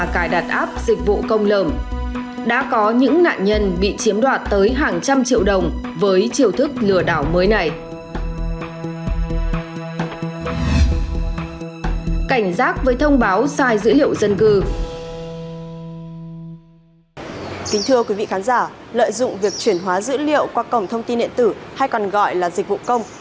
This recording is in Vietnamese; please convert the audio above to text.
kính thưa quý vị khán giả lợi dụng việc chuyển hóa dữ liệu qua cổng thông tin điện tử hay còn gọi là dịch vụ công